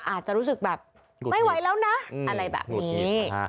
อาจจะรู้สึกแบบไม่ไหวแล้วนะอะไรแบบนี้